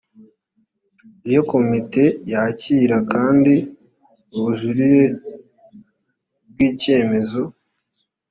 iyo komite yakira kandi ubujurire bw’ibyemezo